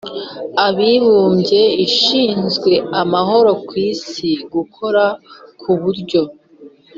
abibumbye ishinzwe amahoro ku isi gukora ku buryo